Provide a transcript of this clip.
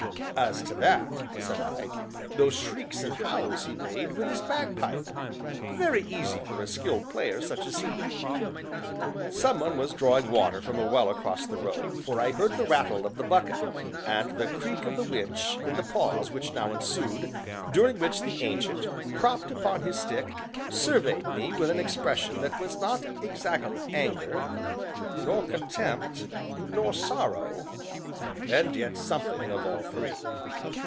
"As to that," said I, "those shrieks and howls he made with his bagpipe, very easy for a skilled player such as he." Some one was drawing water from a well across the road, for I heard the rattle of the bucket, and the creak of the winch, in the pause which now ensued, during which the Ancient, propped upon his stick, surveyed me with an expression that was not exactly anger, nor contempt, nor sorrow, and yet something of all three.